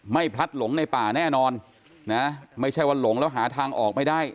พลัดหลงในป่าแน่นอนนะไม่ใช่ว่าหลงแล้วหาทางออกไม่ได้